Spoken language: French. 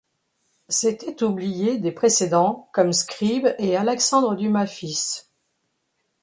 C'était oublier des précédents comme Scribe et Alexandre Dumas fils.